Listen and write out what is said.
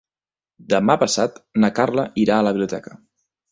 Demà passat na Carla irà a la biblioteca.